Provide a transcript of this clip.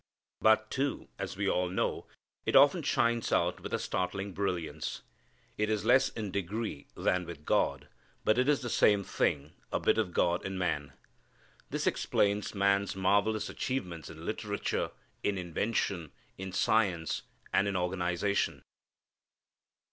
But, too, as we all know, it often shines out with a startling brilliance. It is less in degree than with God, but it is the same thing, a bit of God in man. This explains man's marvellous achievements in literature, in invention, in science, and in organization.